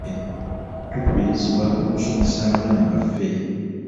Tukubirizibwa okusomesa abaana baffe.